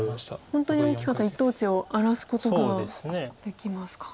本当に大きかった一等地を荒らすことができますか。